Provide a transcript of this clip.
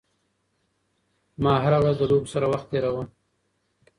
ما هره ورځ د لوبو سره وخت تېراوه.